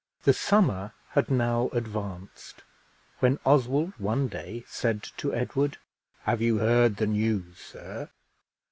The summer had now advanced, when Oswald one day said to Edward, "Have you heard the news, sir?"